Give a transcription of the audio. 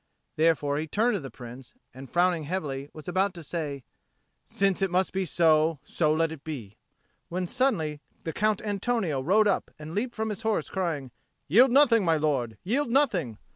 Therefore he turned to the Prince, and, frowning heavily, was about to say, "Since it must be so, so let it be," when suddenly the Count Antonio rode up and leapt from his horse, crying, "Yield nothing, my lord, yield nothing!